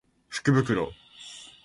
福袋